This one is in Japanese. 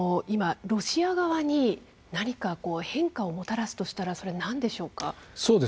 今ロシア側に何か変化をもたらすとしたらそれなんでしょうか。